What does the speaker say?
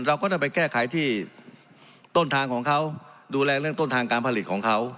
เราก็ต้องไปแก้ไขที่ต้นทางของเขาดูแลเรื่องต้นทางการผลิตของเขา